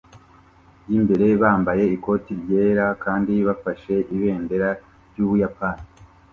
yimbere bambaye ikoti ryera kandi bafashe ibendera ryUbuyapani